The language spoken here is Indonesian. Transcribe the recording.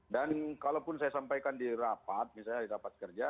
dan kalaupun saya sampaikan di rapat misalnya di rapat kerja